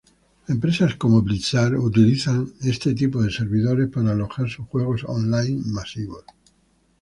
Empresas como Blizzard utilizan este tipo de servidores para alojar sus juegos online masivos.